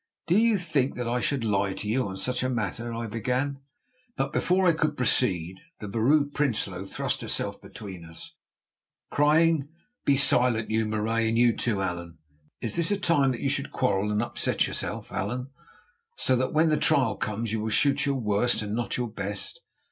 "Do you think that I should lie to you on such a matter—" I began. But, before I could proceed, the Vrouw Prinsloo thrust herself between us, crying: "Be silent, you, Marais, and you too, Allan. Is this a time that you should quarrel and upset yourself, Allan, so that when the trial comes you will shoot your worst and not your best?